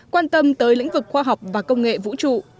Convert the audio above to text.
quan tâm tới lĩnh vực khoa học và công nghệ vũ trụ